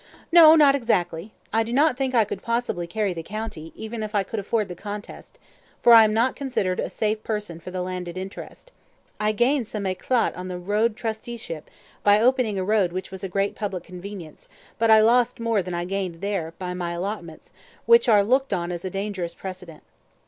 "No, not exactly. I do not think I could possibly carry the county, even if I could afford the contest, for I am not considered a safe person for the landed interest. I gained some eclat on the road trusteeship, by opening a road which was a great public convenience, but I lost more than I gained there, by my allotments, which are looked on as a dangerous precedent.